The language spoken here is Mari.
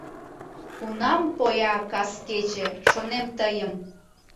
Кунам поя кас кече, шонем тыйым.